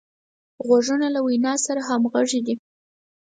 غوږونه له وینا سره همغږي دي